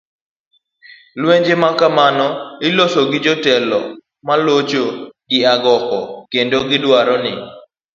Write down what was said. lwenje ma kamago iloso gi jotelo ma locho gi agoko, kendo gidwaro ni